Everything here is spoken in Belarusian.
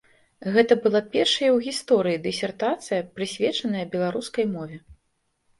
Гэта была першая ў гісторыі дысертацыя, прысвечаная беларускай мове.